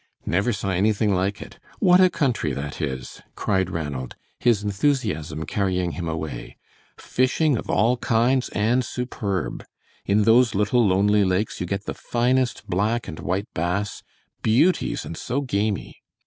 "Never saw anything like it. What a country that is!" cried Ranald, his enthusiasm carrying him away. "Fishing of all kinds and superb. In those little lonely lakes you get the finest black and white bass, beauties and so gamy.